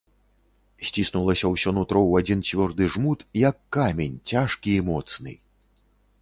Сціснулася ўсё нутро ў адзін цвёрды жмут, як камень, цяжкі і моцны.